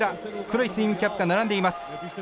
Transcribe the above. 黒いスイムキャップが並んでいます。